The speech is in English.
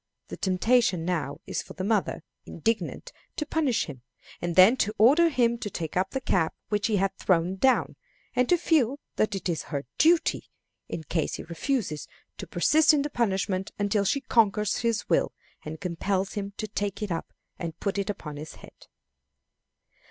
The temptation now is for the mother, indignant, to punish him, and then to order him to take up the cap which he had thrown down, and to feel that it is her duty, in case he refuses, to persist in the punishment until she conquers his will, and compels him to take it up and put it upon his head.